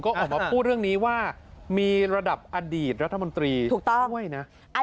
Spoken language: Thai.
ก็ออกมาพูดเรื่องนี้ว่ามีระดับอดีตรัฐมนตรีถูกต้องด้วยนะ